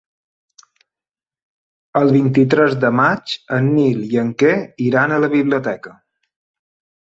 El vint-i-tres de maig en Nil i en Quer iran a la biblioteca.